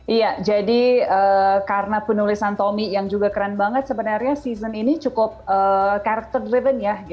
iya jadi karena penulisan tommy yang juga keren banget sebenarnya season ini cukup karakter driven ya